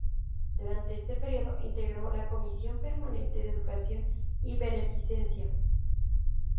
Durante este período integró la Comisión Permanente de Educación y Beneficencia.